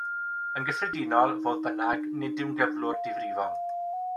Yn gyffredinol, fodd bynnag, nid yw'n gyflwr difrifol.